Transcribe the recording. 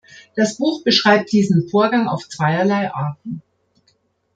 Das Buch beschreibt diesen Vorgang auf zweierlei Arten.